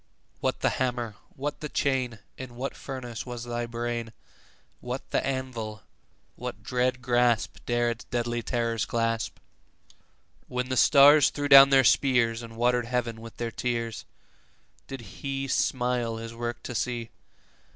What the hammer? what the chain? In what furnace was thy brain? What the anvil? What dread grasp 15 Dare its deadly terrors clasp? When the stars threw down their spears, And water'd heaven with their tears, Did He smile His work to see?